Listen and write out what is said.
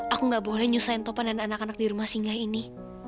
aku gak boleh nyusahin topan dan anak anak di rumah singgah ini